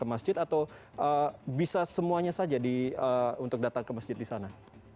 ke masjid atau bisa semuanya saja untuk datang ke masjid di sana